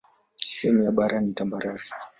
Sehemu ya bara ni tambarare.